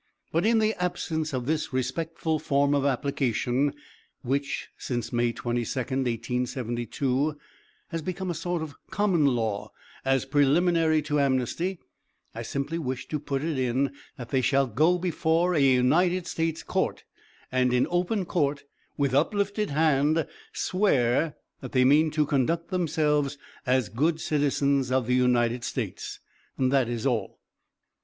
But in the absence of this respectful form of application which, since May 22d, 1872, has become a sort of common law as preliminary to amnesty, I simply wish to put in that they shall go before a United States Court, and in open court, with uplifted hand, swear that they mean to conduct themselves as good citizens of the United States. That is all.